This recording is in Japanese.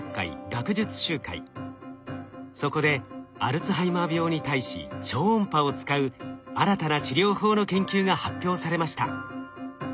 そこでアルツハイマー病に対し超音波を使う新たな治療法の研究が発表されました。